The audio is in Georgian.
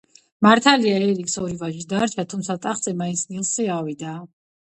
მართალია ერიკს ორი ვაჟი დარჩა, თუმცა ტახტზე მაინც ნილსი ავიდა.